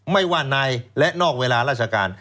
ไม่ว่าในและนอกเวลาราชการ